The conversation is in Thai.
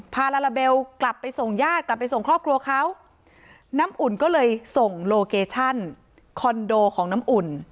ลาลาเบลกลับไปส่งญาติกลับไปส่งครอบครัวเขาน้ำอุ่นก็เลยส่งโลเกชั่นคอนโดของน้ำอุ่น